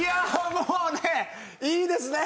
もうねいいですね